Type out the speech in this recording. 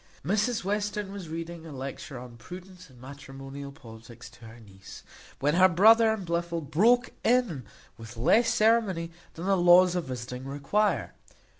Mrs Western was reading a lecture on prudence, and matrimonial politics, to her niece, when her brother and Blifil broke in with less ceremony than the laws of visiting require.